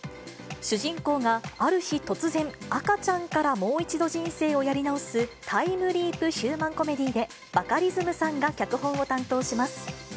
主人公がある日突然、赤ちゃんからもう一度人生をやり直す、タイムリープヒューマンコメディーで、バカリズムさんが脚本を担当します。